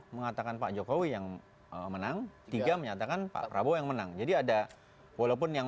mengatakan pak jokowi yang menang tiga menyatakan pak prabowo yang menang jadi ada walaupun yang